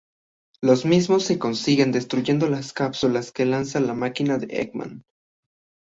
Los mismos se consiguen destruyendo las cápsulas que lanza la máquina de Eggman.